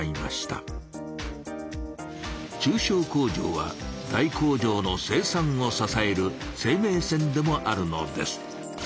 中小工場は大工場の生産をささえる生命線でもあるのです。